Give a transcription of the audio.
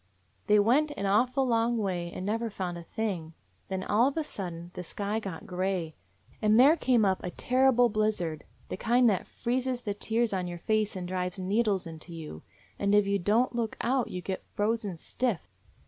They went an awful long way and never found a thing. Then all of a sudden the sky got gray, and there came up a terrible blizzard; the kind that freezes the tears on your face and drives needles into you, and if you don't look out you get frozen stiff.